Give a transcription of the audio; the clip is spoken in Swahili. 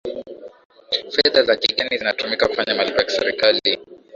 fedha za kigeni zinatumika kufanya malipo ya kiserikali